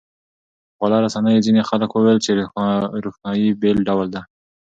خواله رسنیو ځینې خلک وویل چې روښنايي بېل ډول ده.